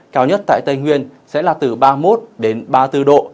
cao nhất tại tây nguyên sẽ là từ ba mươi một đến ba mươi bốn độ